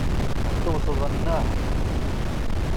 Tewteḍ nneḥ.